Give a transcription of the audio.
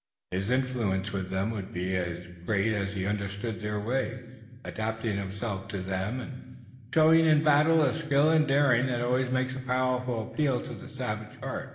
His influence with them would be great, as he understood their ways, adapted himself to them and showed in battle a skill and daring that always make a powerful appeal to the savage heart.